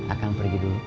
akang pergi dulu